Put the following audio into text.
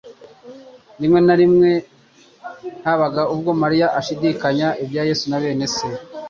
Rimwe na rimwe habaga ubwo Mariya ashidikanya ibya Yesu na bene se;